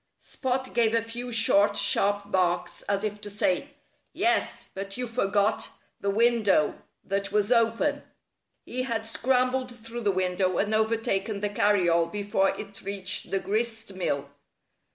Spot gave a few short, sharp barks, as if to say, "Yes! But you forgot the window that was open." He had scrambled through the window and overtaken the carryall before it reached the gristmill.